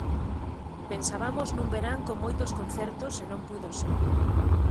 Pensabamos nun verán con moitos concertos e non puido ser.